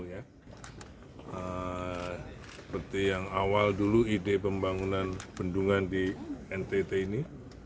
seperti yang awal dulu ide pembangunan bendungan di ntt ini